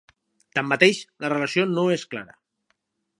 Tanmateix, la relació no és clara.